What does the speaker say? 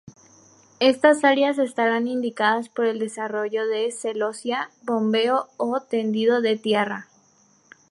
Estas áreas estarán indicadas por el desarrollo de celosía, bombeo o tendido de tierra.